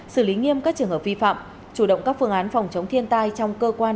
xử lý nghiêm các trường hợp vi phạm chủ động các phương án phòng chống thiên tai trong cơ quan